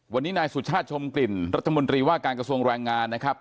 วันนี้นายสุชาติชมกลิ่นรัฐมนตรีว่าการกระทรวงแรงงานนะครับ